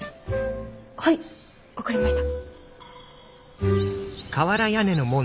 はい分かりました。